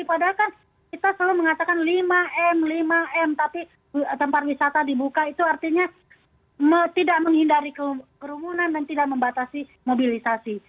padahal kan kita selalu mengatakan lima m lima m tapi tempat wisata dibuka itu artinya tidak menghindari kerumunan dan tidak membatasi mobilisasi